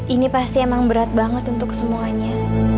ini pasti emang berat banget untuk semuanya